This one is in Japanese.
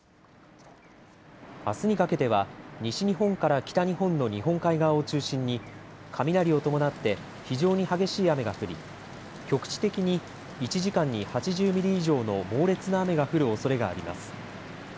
あすにかけては西日本から北日本の日本海側を中心に雷を伴って非常に激しい雨が降り局地的に１時間に８０ミリ以上の猛烈な雨が降るおそれがあります。